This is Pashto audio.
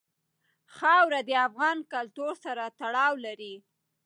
خاوره د افغان کلتور سره تړاو لري.